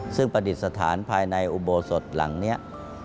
ซึ่งปฏิสถานภายในอุโบสถหลังเนี้ย